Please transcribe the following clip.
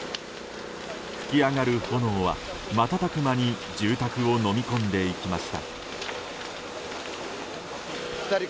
噴き上がる炎は瞬く間に住宅をのみ込んでいきました。